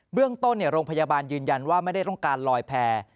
เรื่องต้นโรงพยาบาลยืนยันว่าไม่ได้ต้องการลอยแพร่